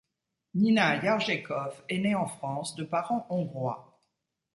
Nina Yargekov est née en France de parents hongrois.